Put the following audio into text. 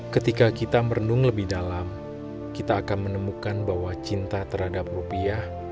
ketika kita merenung lebih dalam kita akan menemukan bahwa cinta terhadap rupiah